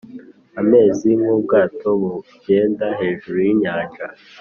ameze nk'ubwato bugenda hejuru y'inyanja,